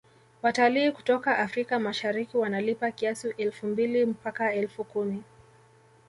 Watalii kutoka africa mashariki wanalipa kiasi elfu mbili mpaka elfu kumi